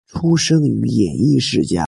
出身于演艺世家。